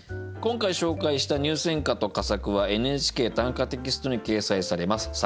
今回紹介した入選歌と佳作は「ＮＨＫ短歌」テキストに掲載されます。